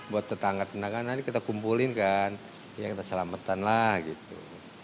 buat tetangga tetangga nanti kita kumpulin kan ya kita selamatan lah gitu